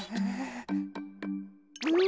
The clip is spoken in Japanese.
うん。